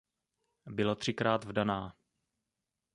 Byla třikrát vdaná.